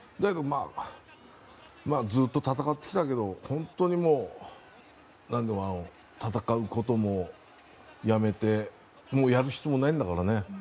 ずっと戦ってきたけど本当に、戦うこともやめてもうやる必要もないんだからね。